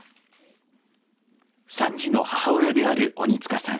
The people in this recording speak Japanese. ３児の母親である鬼塚さん。